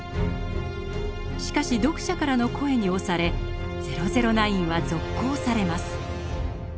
しかし読者からの声に押され「００９」は続行されます。